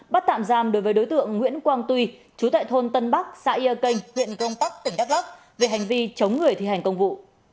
bắt tạm giam đối với đối tượng nguyễn quang tuy chú tại thôn tân bắc xã yê kênh huyện công tắc tỉnh đắk lắk về hành vi chống người thi hành công vụ